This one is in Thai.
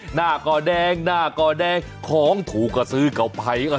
หน้าก็แดงหน้าก็แดงของถูกก็ซื้อเก่าไผ่ก็